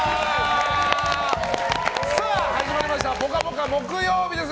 始まりました「ぽかぽか」木曜日です。